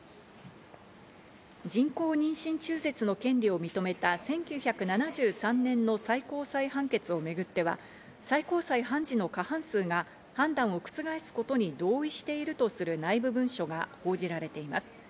人工妊娠中絶の権利を認めた１９７３年の最高裁判決をめぐっては、最高裁判事の過半数が判断を覆すことに同意しているとする内部文書が報じられています。